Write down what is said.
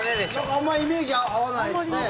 あんまイメージ合わないですね。